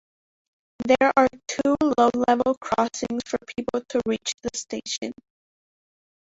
There are two low-level crossings for people to reach the station.